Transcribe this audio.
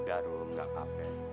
udah rum gak apa apa